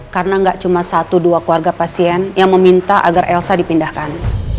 karena gak cuma satu dua keluarga pasien yang meminta agar elsa dipindahkan